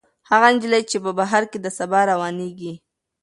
هغه نجلۍ چې په بهر کې ده، سبا راروانېږي.